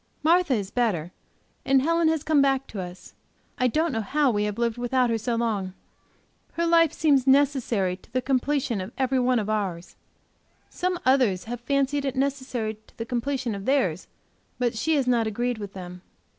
Martha is better, and Helen has come back to us. I don't know how we have lived without her so long. Her life seems necessary to the completion of every one of ours. Some others have fancied it necessary to the completion of theirs, but she has not a greed with them.